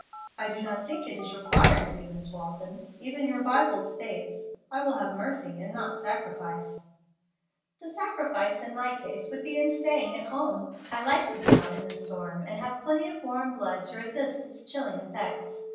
"I do not think it is required of you, Miss Walton. Even your Bible states, 'I will have mercy and not sacrifice.'" "The 'sacrifice' in my case would be in staying at home. I like to be out in a storm, and have plenty of warm blood to resist its chilling effects.